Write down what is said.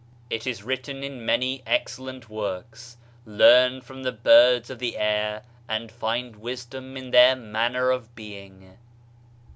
It is written in many excellent works : "Learn from the birds of the air, and find wisdom in their manner of being."